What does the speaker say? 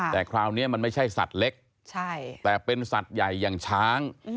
แต่คราวนี้มันไม่ใช่สัตว์เล็กแต่เป็นสัตว์ใหญ่อย่างช้าง